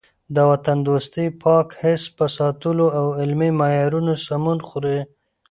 د وطن دوستۍ پاک حس په ساتلو او علمي معیارونو سمون خوري.